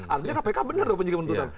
artinya kpk benar loh penyidikan penuntutan